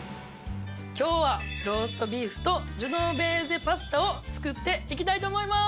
今日はローストビーフとジェノベーゼパスタを作っていきたいと思います！